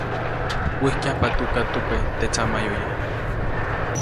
Wijtyajpa tukatukaʼy teʼ tsaʼmayoya.